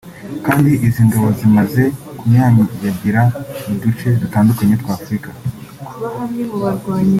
kandi izi ngabo zimaze kunyanyagira mu duce dutandukanye tw’Afurika